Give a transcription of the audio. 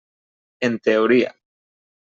En teoria.